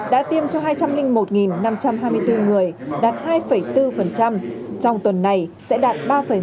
đã tiêm cho hai trăm linh một năm trăm hai mươi bốn người đạt hai bốn trong tuần này sẽ đạt ba một